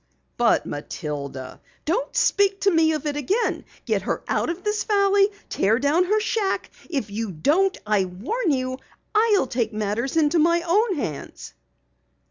"But Matilda " "Don't speak to me of it again! Get her out of this Valley tear down her shack! If you don't, I warn you, I'll take matters into my own hands!"